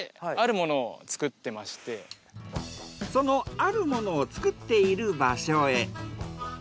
そのあるものをつくっている場所へ。